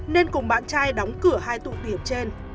nên cùng bạn trai đóng cửa hai tụ điểm trên